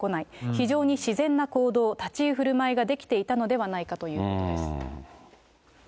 非常に自然な行動、立ち居振る舞いができていたのではないかということです。